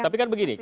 tapi kan begini